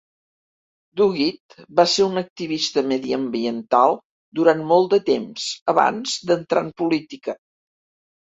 Duguid va ser un activista mediambiental durant molt de temps abans d'entrar en política.